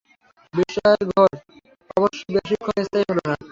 বিস্ময়ের ঘোর অবশ্যি বেশিক্ষণ স্থায়ী হলো না।